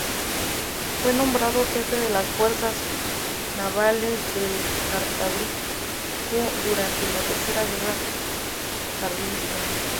Fue nombrado jefe de las fuerzas navales del Cantábrico durante la Tercera Guerra Carlista.